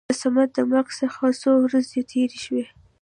د صمد د مرګ څخه څو ورځې تېرې شوې.